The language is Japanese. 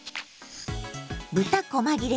豚こま切れ